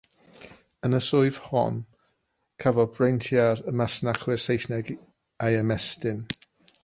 Yn y swydd hon, cafodd breintiau'r masnachwyr Seisnig eu hymestyn.